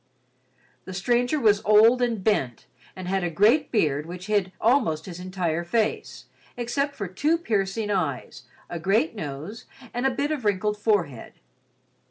The stranger was old and bent and had a great beard which hid almost his entire face except for two piercing eyes, a great nose and a bit of wrinkled forehead.